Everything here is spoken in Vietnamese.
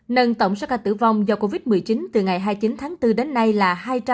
nâng tổng số ca tử vong do covid một mươi chín từ ngày hai mươi chín tháng bốn đến nay là hai trăm linh ca